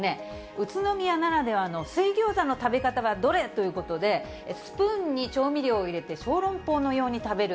宇都宮ならではの水餃子の食べ方はどれということで、スプーンに調味料を入れて、小籠包のように食べる。